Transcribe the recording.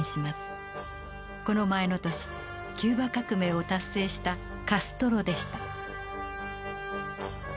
この前の年キューバ革命を達成したカストロでした。